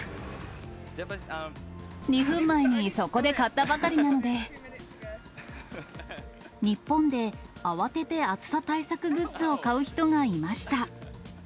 ２分前にそこで買ったばかりなの日本で慌てて暑さ対策グッズを買う人がいました。